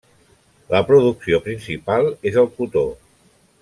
La producció principal és el cotó.